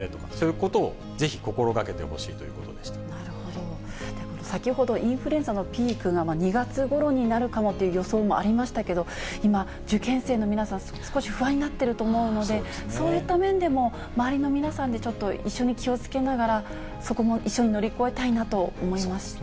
だけど、窓閉め切ったままだと、ちょっとね、換気はちゃんとしなきゃいけませんよねとか、そういうことをぜひ心がけてほしいということで先ほど、インフルエンザのピークが２月ごろになるかもという予想もありましたけど、今、受験生の皆さん、少し不安になってると思うので、そういった面でも、周りの皆さんで、ちょっと一緒に気をつけながら、そこも一緒に乗り越えたいなと思いました。